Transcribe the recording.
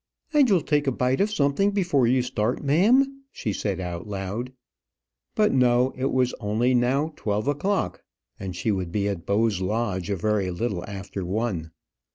"And you'll take a bite of something before you start, ma'am," she said, out loud. But, no; it was only now twelve o'clock, and she would be at Bowes Lodge a very little after one.